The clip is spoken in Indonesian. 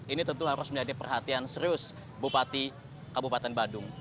ini tentu harus menjadi perhatian serius bupati kabupaten badung